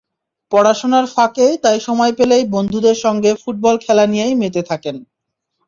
পড়াশোনার ফাঁকে তাই সময় পেলেই বন্ধুদের সঙ্গে ফুটবল খেলা নিয়েই মেতে থাকেন।